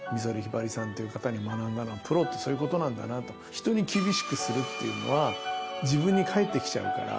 人に厳しくするっていうのは自分に返ってきちゃうから。